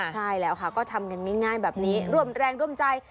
ใช่แล้วค่ะก็ทำกันง่ายแบบนี้ร่วมแรงร่วมใจ